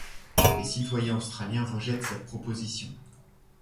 Les citoyens australiens rejettent cette proposition.